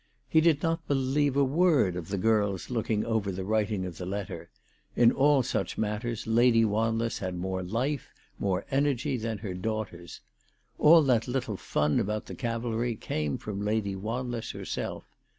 He did not believe a word of the girls looking over the writing of the letter. In all such matters Lady Wan less had more life, more energy than her daughters. All that little fun about the Cavalry came from Lady Wanless herself.